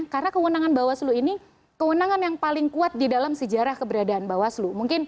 karena kewenangan bawaslu ini kewenangan yang paling kuat di dalam sejarah keberadaan bawaslu